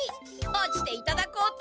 落ちていただこうと。